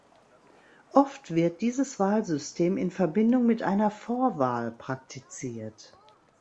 Oft wird dieses Wahlsystem in Verbindung mit einer Vorwahl praktiziert.